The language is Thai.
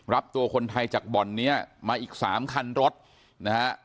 รับตัวคนไทยจากบ่อนนี้มาอีกสามคันรถนะฮะ